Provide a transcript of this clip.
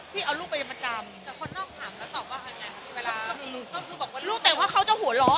พี่เอาลูกไปประจำแต่ว่าลูกแต่ว่าเขาจะหัวเราะ